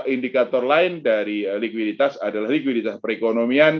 indikator lain dari likuiditas adalah likuiditas perekonomian